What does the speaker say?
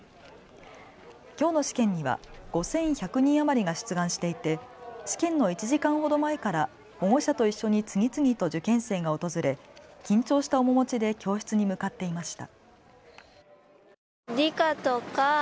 きょうの試験には５１００人余りが出願していて試験の１時間ほど前から保護者と一緒に次々と受験生が訪れ、緊張した面持ちで教室に向かっていました。